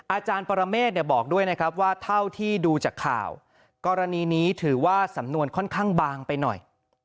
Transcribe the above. อาจารย์ปรเมฆบอกด้วยนะครับว่าเท่าที่ดูจากข่าวกรณีนี้ถือว่าสำนวนค่อนข้างบางไปหน่อย